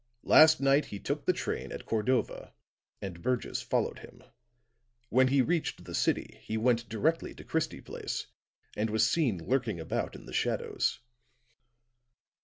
Last night he took the train at Cordova, and Burgess followed him. When he reached the city, he went directly to Christie Place and was seen lurking about in the shadows."